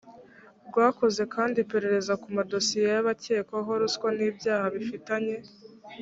rwakoze kandi iperereza ku madosiye y abakekwaho ruswa n ibyaha bifitanye